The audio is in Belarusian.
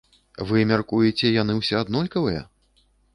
Вы мяркуеце, яны ўсе аднолькавыя?